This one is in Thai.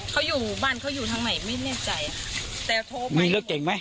เขาอยู่บ้านเขาอยู่ทางไหนไม่แน่ใจแต่โทรมามีรถเก่งไหม